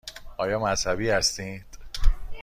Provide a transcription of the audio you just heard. آیا مذهبی هستید؟